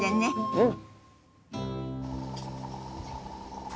うん！